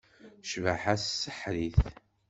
Cbaḥa-s tseḥḥer-it.